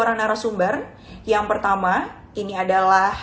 para narasumber yang pertama ini adalah